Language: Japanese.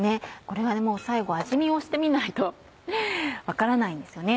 これはもう最後味見をしてみないと分からないんですよね。